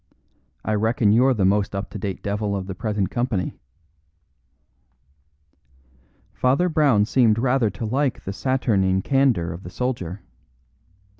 I reckon you're the most up to date devil of the present company." Father Brown seemed rather to like the saturnine candour of the soldier.